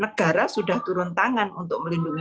negara sudah turun tangan untuk melindungi